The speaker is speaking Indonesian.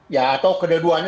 ya atau kedua duanya